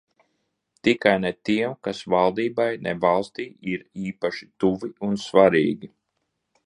Tikai ne tiem, kas valdībai, ne valstij, ir īpaši tuvi un svarīgi.